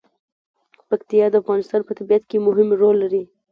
پکتیا د افغانستان په طبیعت کې مهم رول لري.